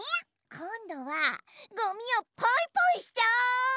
こんどはごみをポイポイしちゃおう！